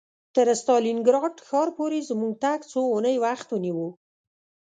تر ستالینګراډ ښار پورې زموږ تګ څو اونۍ وخت ونیو